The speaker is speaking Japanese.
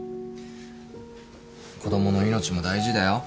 子供の命も大事だよ。